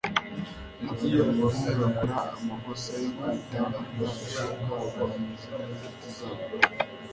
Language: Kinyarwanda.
abagabo bamwe bakora amakosa yo kwita ubwato bwabo amazina yinshuti zabo